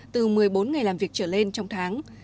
từ một mươi bốn ngày làm việc trở lên trong tháng